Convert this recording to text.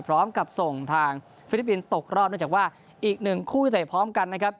พร้อมกับส่งทางฟิลิปปินส์ตกรอบเนื่องจากว่าอีกหนึ่งคู่ที่เตะพร้อมกันนะครับ